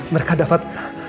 pak mereka dapat